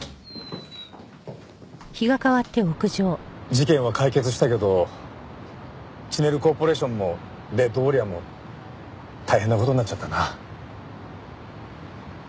事件は解決したけどチネルコーポレーションも『デッドウォーリア』も大変な事になっちゃったな。